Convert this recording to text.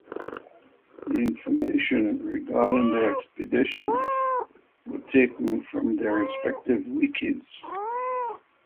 The information regarding the expeditions were taken from their respective wikis.